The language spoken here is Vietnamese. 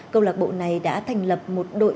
câu lạc bộ này đã thành lập một đội